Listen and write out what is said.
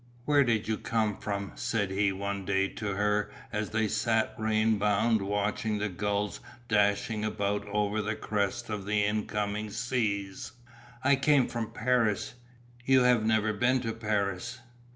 "Where did you come from," said he one day to her as they sat rain bound watching the gulls dashing about over the crests of the incoming seas. "I came from Paris you have never been to Paris?"